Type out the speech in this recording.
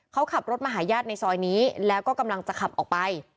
เขาขับรถมาหาญาติในซอยนี้แล้วก็กำลังจะขับออกไป